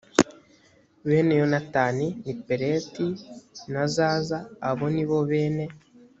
bene yonatani ni peleti na zaza abo ni bo bene